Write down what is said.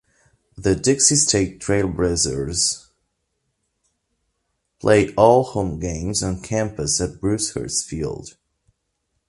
The Dixie State Trailblazers play all home games on campus at Bruce Hurst Field.